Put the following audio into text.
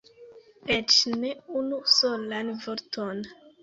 Eĉ ne unu solan vorton!